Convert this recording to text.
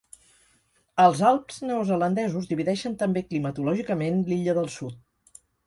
Els Alps Neozelandesos divideixen també climatològicament l'Illa del Sud.